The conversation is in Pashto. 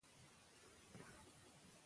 دا کار باید په پوره صداقت ترسره سي.